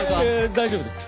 大丈夫です。